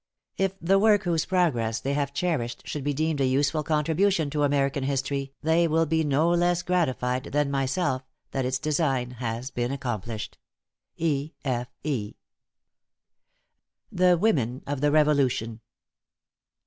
If the work whose progress they have cherished should be deemed a useful contribution to American History, they will be no less gratified than myself that its design has been accomplished. E. F. E. THE WOMEN OF THE REVOLUTION.